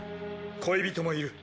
恋人もいる。